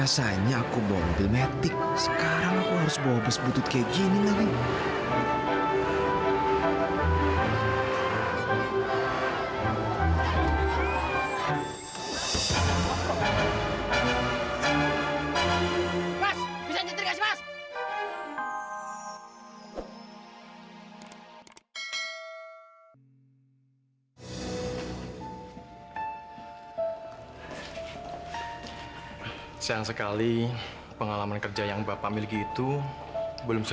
sampai jumpa di video selanjutnya